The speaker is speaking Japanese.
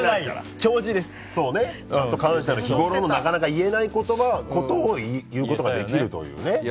ちゃんと日ごろなかなか言えないことを言うことができるというね。